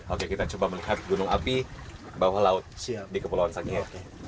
oke kita coba melihat gunung api bawah laut di kepulauan sangihe